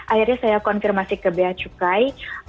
akhirnya saya konfirmasi ke bea cukai